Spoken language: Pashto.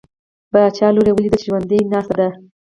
د باچا لور یې ولیده چې ژوندی ناسته ده.